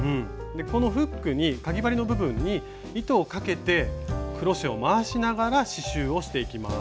このフックにかぎ針の部分に糸をかけてクロシェを回しながら刺しゅうをしていきます。